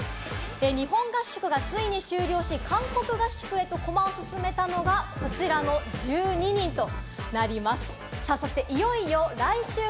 日本合宿がついに終了し、韓国合宿へと駒を進めたのがこちらの１２人となります。